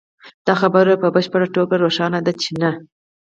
دا خبره په بشپړه توګه روښانه ده چې نه